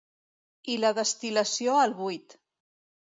I la destil·lació al buit.